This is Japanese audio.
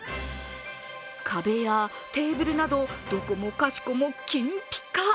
壁やテーブルなどどこもかしこも金ぴか。